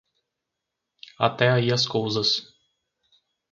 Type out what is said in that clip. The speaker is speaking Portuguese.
Até aí as cousas.